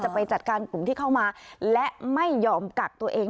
ไปจัดการกลุ่มที่เข้ามาและไม่ยอมกักตัวเอง